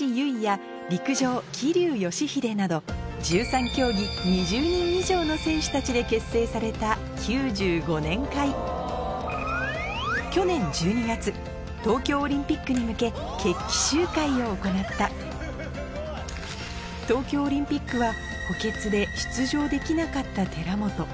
１３競技２０人以上の選手たちで結成された東京オリンピックに向け決起集会を行った東京オリンピックは補欠で出場できなかった寺本